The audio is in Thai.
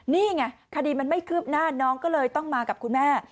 นี่ไงคดีมันไม่คืบหน้าน้องก็เลยต้องมากับคุณแม่